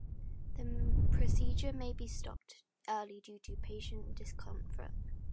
The procedure may be stopped early due to patient discomfort.